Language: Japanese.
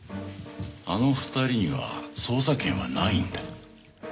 あの２人には捜査権はないんだ。